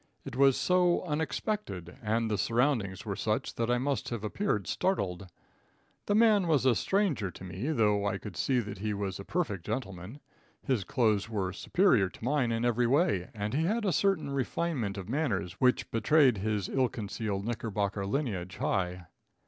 It was so unexpected, and the surroundings were such that I must have appeared startled. The man was a stranger to me, though I could see that he was a perfect gentleman. His clothes were superior to mine in every way, and he had a certain refinement of manners which betrayed his ill concealed Knickerbocker lineage high.